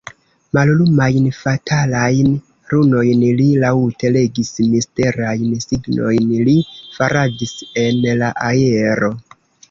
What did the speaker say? Mallumajn, fatalajn runojn li laŭte legis; misterajn signojn li faradis en la aero.